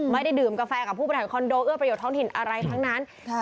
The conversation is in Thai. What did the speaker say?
ไม่ได้ดื่มกาแฟกับผู้บริหารคอนโดเอื้อประโยชนท้องถิ่นอะไรทั้งนั้น